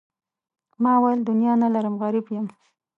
ما وویل دنیا نه لرم غریب یم.